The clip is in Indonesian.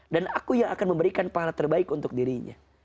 dan aku yang akan memberikan pahala terbaik untuk dirinya